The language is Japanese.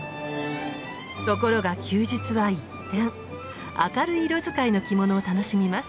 ところが休日は一転明るい色使いの着物を楽しみます。